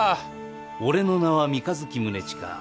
俺の名は三日月宗近。